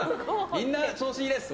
みんな調子いいです！